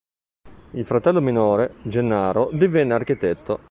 Il fratello minore, Gennaro divenne architetto.